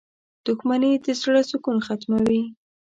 • دښمني د زړۀ سکون ختموي.